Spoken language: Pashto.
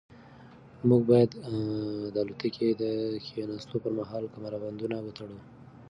موږ باید د الوتکې د کښېناستو پر مهال کمربندونه وتړو.